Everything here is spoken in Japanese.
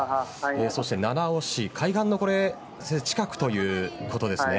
そして七尾市、海岸の近くということですね。